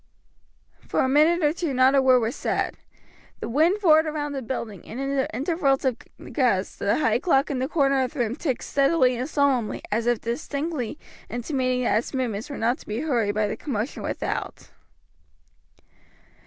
For a minute or two not a word was said. The wind roared round the building, and in the intervals of the gusts the high clock in the corner of the room ticked steadily and solemnly as if distinctly intimating that its movements were not to be hurried by the commotion without.